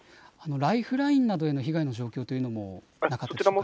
ライフラインなどへの被害の状況というのもなかったでしょうか。